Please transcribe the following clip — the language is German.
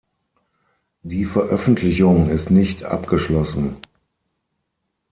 Die Veröffentlichung ist nicht abgeschlossen.